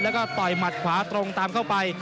แล้วก็ต่อยหมัดขวาตรงตามเข้าไป